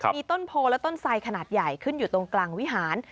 มีต้นโพและต้นไสขนาดใหญ่ขึ้นอยู่ตรงกลางวิหาร